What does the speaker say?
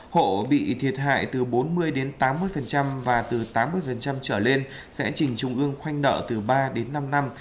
hộ bị thiệt hại từ bốn mươi đến tám mươi và từ tám mươi trở lên sẽ trình trung ương khoanh nợ từ ba đến năm năm